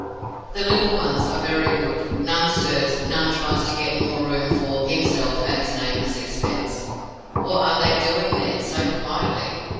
The little ones are very good: none stirs none tries to get more room for himself at his neighbours' expense. What are they doing there, so quietly?